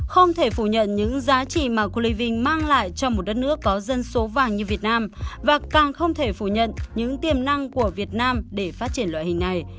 không thể phủ nhận những giá trị mà cleaving mang lại cho một đất nước có dân số vàng như việt nam và càng không thể phủ nhận những tiềm năng của việt nam để phát triển loại hình này